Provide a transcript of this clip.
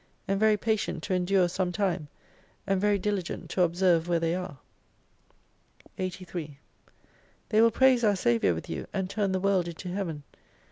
And very patient to endure some time, and very diligent to observe where they are. 83 They will praise our Saviour with you, and turn the world into Heaven.